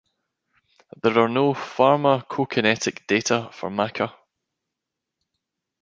There are no pharmacokinetic data for maca.